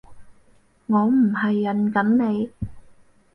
我唔係潤緊你